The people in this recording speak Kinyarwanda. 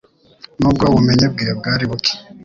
nubwo ubumenyi bwe bwari buke.